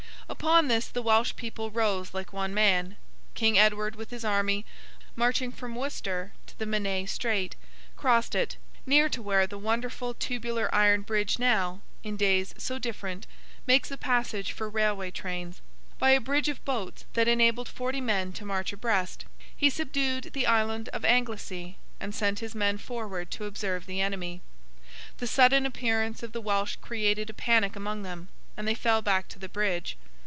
Upon this, the Welsh people rose like one man. King Edward, with his army, marching from Worcester to the Menai Strait, crossed it—near to where the wonderful tubular iron bridge now, in days so different, makes a passage for railway trains—by a bridge of boats that enabled forty men to march abreast. He subdued the Island of Anglesea, and sent his men forward to observe the enemy. The sudden appearance of the Welsh created a panic among them, and they fell back to the bridge.